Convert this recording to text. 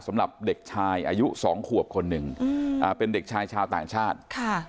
สำหรับเด็กชายอายุสองขวบคนหนึ่งอืมอ่าเป็นเด็กชายชาวต่างชาติค่ะ